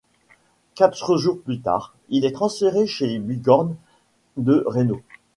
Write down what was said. Quatre jours plus tard, il est transféré chez les Bighorns de Reno.